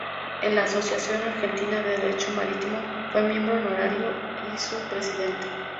En la Asociación Argentina de Derecho Marítimo fue miembro honorario y su presidente.